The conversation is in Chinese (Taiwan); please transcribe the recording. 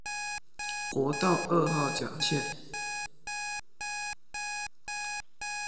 國道二號甲線